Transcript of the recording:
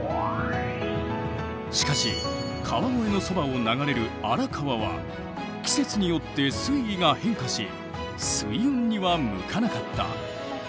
しかし川越のそばを流れる荒川は季節によって水位が変化し水運には向かなかった。